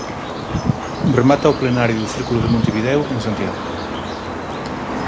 Remata o plenario do Círculo de Montevideo en Santiago.